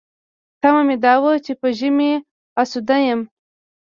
تمه مې دا وه چې په ژمي اسوده یم.